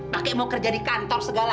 pakai mau kerja di kantor segala